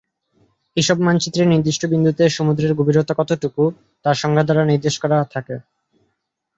এইসব মানচিত্রে নির্দিষ্ট বিন্দুতে সমুদ্রের গভীরতা কতটুকু, তা সংখ্যা দ্বারা নির্দেশ করা থাকে।